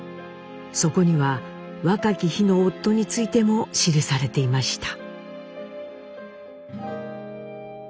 そこには若き日の夫についても記されていました。